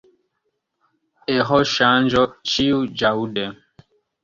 Eĥoŝanĝo ĉiuĵaŭde!